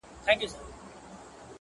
ته مي د ښكلي يار تصوير پر مخ گنډلی ـ